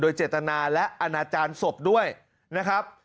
เจตนาและอนาจารย์ศพด้วยนะครับ